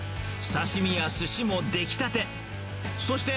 刺身やすしも出来たて。